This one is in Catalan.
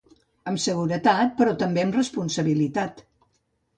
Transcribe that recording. Amb seguretat, però també amb responsabilitat.